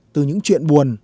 từ những chuyện buồn